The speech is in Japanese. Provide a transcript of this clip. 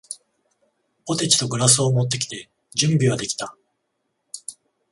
ポテチとグラスを持ってきて、準備はできた。